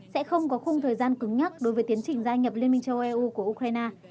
sẽ không có khung thời gian cứng nhắc đối với tiến trình gia nhập liên minh châu eu của ukraine